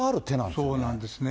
そうなんですね。